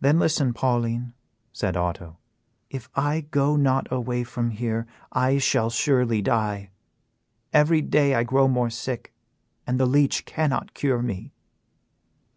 "Then listen, Pauline," said Otto; "if I go not away from here I shall surely die. Every day I grow more sick and the leech cannot cure me."